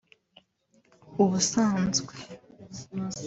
Ubusanzwe